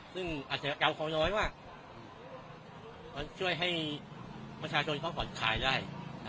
ซึ่งอาจจะเก่าของน้อยมากมันช่วยให้ประชาชนก็ปลอดภัยได้